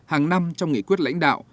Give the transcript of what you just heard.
từ đó hàng năm trong nghị quyết lãnh đạo